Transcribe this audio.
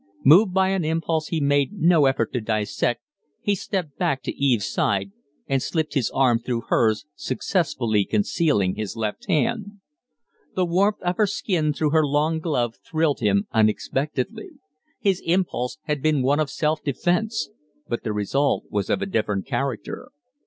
Moved by an impulse he made no effort to dissect, he stepped back to Eve's side and slipped his arm through hers successfully concealing his left hand. The warmth of her skin through her long glove thrilled him unexpectedly. His impulse had been one of self defence, but the result was of a different character.